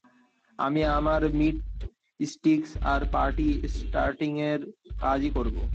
আমি আবার মীট-স্টিক্স আর পার্টি স্টার্টিংয়ের কাজই করবো।